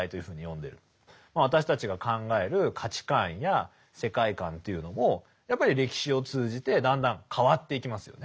私たちが考える価値観や世界観というのもやっぱり歴史を通じてだんだん変わっていきますよね。